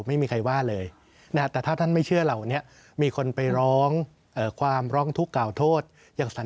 ไม่มีใครว่าเลยนะครับ